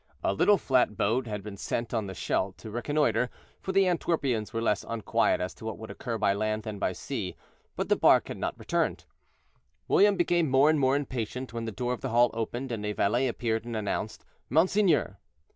A little flat boat had been sent on the Scheldt to reconnoiter, for the Antwerpians were less unquiet as to what would occur by land than by sea; but the bark had not returned. William became more and more impatient, when the door of the hall opened, and a valet appeared and announced "Monseigneur."